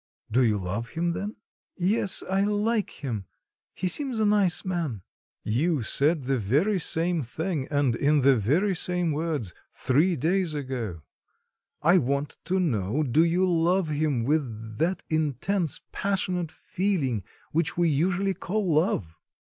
Do you love him, then?" "Yes, I like him; he seems a nice man." "You said the very same thing, and in the very same words, three days ago. I want to know do you love him with that intense passionate feeling which we usually call love?"